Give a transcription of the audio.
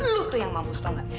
lo tuh yang mampus tau gak